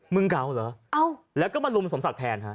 เก่าเหรอแล้วก็มาลุมสมศักดิ์แทนฮะ